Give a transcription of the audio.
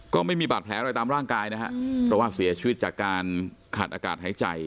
ก็ไม่มีบาดแผลอะไรตามร่างกายนะฮะเพราะว่าเสียชีวิตจากการขาดอากาศหายใจ